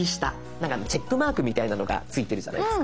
なんかチェックマークみたいなのがついてるじゃないですか。